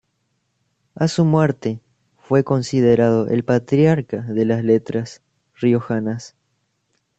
A su muerte fue considerado el patriarca de las Letras riojanas.